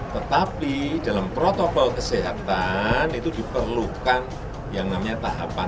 tetapi dalam protokol kesehatan itu diperlukan yang namanya tahapan